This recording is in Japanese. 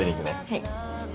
はい。